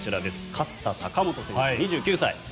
勝田貴元選手、２９歳。